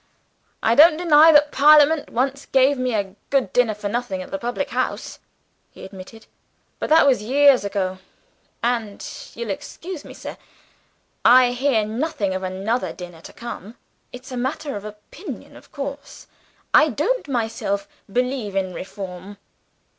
'I don't deny that parliament once gave me a good dinner for nothing at the public house,' he admitted. 'But that was years ago and (you'll excuse me, sir) I hear nothing of another dinner to come. It's a matter of opinion, of course. I don't myself believe in reform.